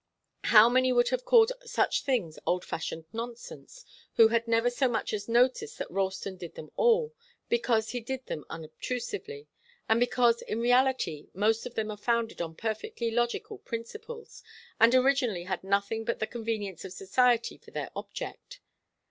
How many would have called such things old fashioned nonsense, who had never so much as noticed that Ralston did them all, because he did them unobtrusively, and because, in reality, most of them are founded on perfectly logical principles, and originally had nothing but the convenience of society for their object.